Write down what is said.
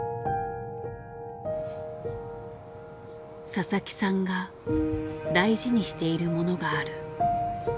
佐々木さんが大事にしているものがある。